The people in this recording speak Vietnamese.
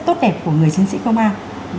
tốt đẹp của người chiến sĩ công an